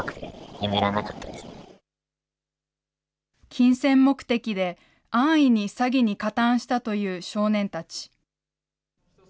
金銭目的で安易に詐欺に加担したという少年たち。